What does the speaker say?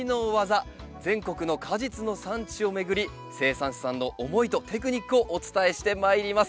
全国の果実の産地を巡り生産者さんの思いとテクニックをお伝えしてまいります。